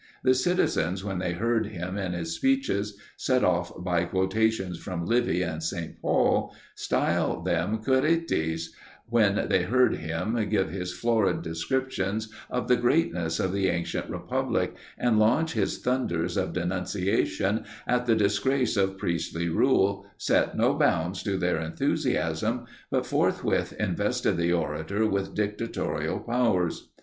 The citizens, when they heard him in his speeches, set off by quotations from Livy and St. Paul, style them "Quirites," when they heard him give his florid descriptions of the greatness of the ancient republic, and launch his thunders of denunciation at the disgrace of priestly rule, set no bounds to their enthusiasm, but forthwith invested the orator with dictatorial powers.